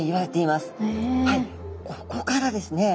ここからですね